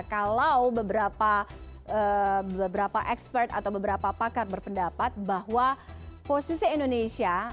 kalau beberapa expert atau beberapa pakar berpendapat bahwa posisi indonesia